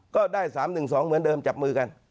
ก็ได้๓๑๒เหมือนเดิมจับมือกัน